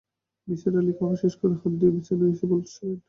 নিসার আলি খাওয়া শেষ করে হাত ধুয়ে বিছানায় এসে বসলেন।